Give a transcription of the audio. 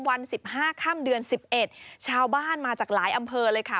วัน๑๕ค่ำเดือน๑๑ชาวบ้านมาจากหลายอำเภอเลยค่ะ